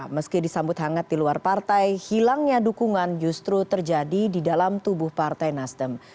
meski disambut hangat di luar partai hilangnya dukungan justru terjadi di dalam tubuh partai nasdem